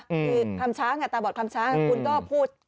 คือคำช้างตาบอดคำช้างคุณก็พูด